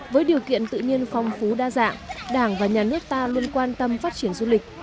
với điều kiện tự nhiên phong phú đa dạng đảng và nhà nước ta luôn quan tâm phát triển du lịch